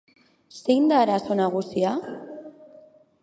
Zein da arazo nagusia?